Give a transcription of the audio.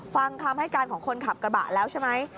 ฟังคำให้การของคนขับกระบะแล้วใช่ไหม